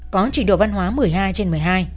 có trình độ văn hóa một mươi hai trên một mươi hai